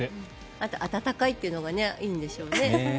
あと温かいというのがいいんでしょうね。